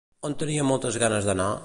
On tenia moltes ganes d'anar?